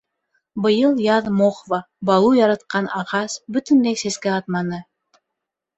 Быйыл яҙ мохва — Балу яратҡан ағас — бөтөнләй сәскә атманы.